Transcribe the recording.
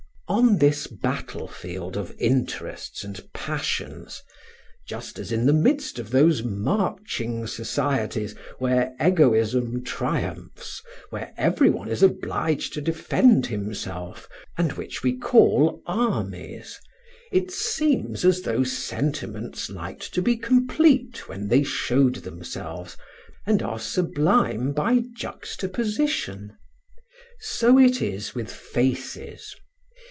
On this battlefield of interests and passions, just as in the midst of those marching societies where egoism triumphs, where every one is obliged to defend himself, and which we call armies, it seems as though sentiments liked to be complete when they showed themselves, and are sublime by juxtaposition. So it is with faces.